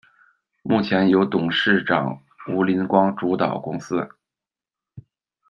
目前由董事长吴琳光主导公司。